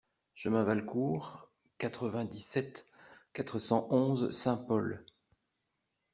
Chemin Valcourt, quatre-vingt-dix-sept, quatre cent onze Saint-Paul